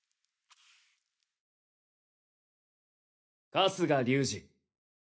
春日隆二